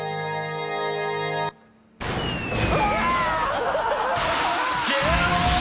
うわ！